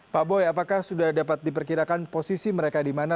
pak boy apakah sudah dapat diperkirakan posisi mereka di mana